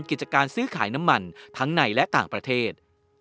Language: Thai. กิจการซื้อขายน้ำมันทั้งในและต่างประเทศ